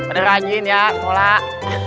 udah rajin ya sholat